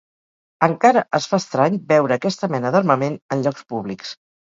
Encara es fa estrany veure aquesta mena d’armament en llocs públics.